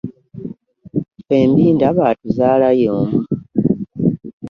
Ffembi ndaba atuzaala y'omu.